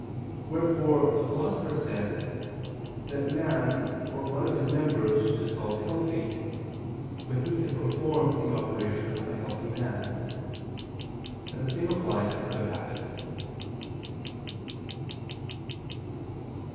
Wherefore the Philosopher says (De Hist. Animal. x, 1), that man, or one of his members, is called healthy, "when he can perform the operation of a healthy man." And the same applies to other habits.